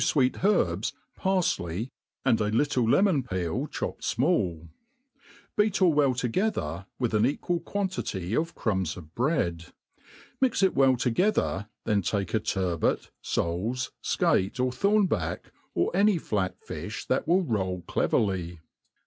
fweahcibs, paifleyc, andia i90 ^HE ART OP COOKERY little lemon peel chopped rmall ; beat all well together with m equal quantity of crumbs of bread ; mix it well together, then take a turbot, foals, fcate, or thornback,^ or any flat fifh that will roll cleverly.